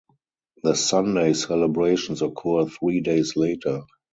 The Sunday celebrations occur three days later.